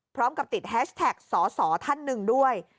พร้อมกับติดแฮชแท็กสอสอท่านหนึ่งด้วย